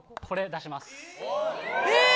これ出します。